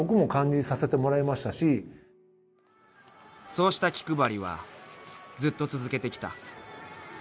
［そうした気配りはずっと続けてきた］